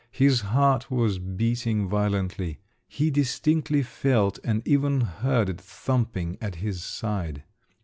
His heart was beating violently; he distinctly felt, and even heard it thumping at his side.